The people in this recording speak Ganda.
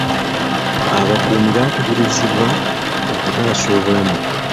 Abakuumi bakubirizibwa okutaasa obulamu.